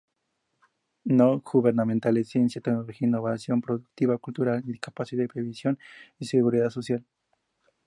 No Gubernamentales, Ciencia, Tecnología e Innovación Productiva, Cultura, Discapacidad y Previsión y Seguridad Social.